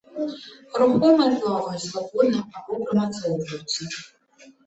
Рухомыя, плаваюць свабодна або прымацоўваюцца.